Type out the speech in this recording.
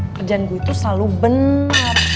kerjaan gue itu selalu benar